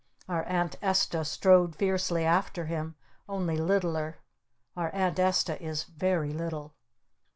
Our Aunt Esta strode fiercely after him, only littler. Our Aunt Esta is very little.